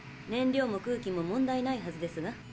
燃料も空気も問題ないはずですが。